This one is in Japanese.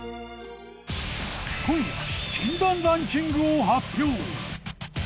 今夜禁断ランキングを発表。